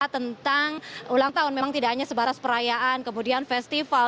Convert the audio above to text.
tentang ulang tahun memang tidak hanya sebatas perayaan kemudian festival